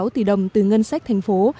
tám mươi sáu tỷ đồng từ ngân sách thành phố